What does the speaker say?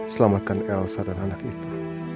selamatkan elsa dan anak itu